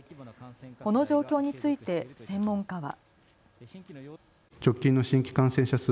この状況について専門家は。